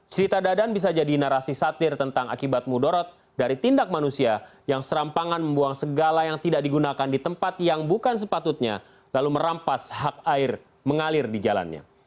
cerita dadan bisa jadi narasi satir tentang akibat mudorot dari tindak manusia yang serampangan membuang segala yang tidak digunakan di tempat yang bukan sepatutnya lalu merampas hak air mengalir di jalannya